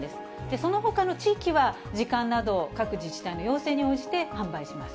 そのほかの地域は、時間などを各自治体の要請に応じて販売します。